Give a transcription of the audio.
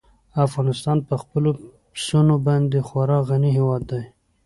افغانستان په خپلو پسونو باندې خورا غني هېواد دی.